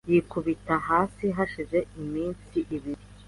yikubita hasi hashize iminsi ibiri